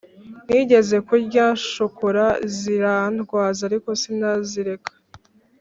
nigeze kurya shokola zirandwaza ariko sinazireka